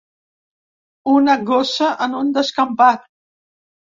Una gossa en un descampat.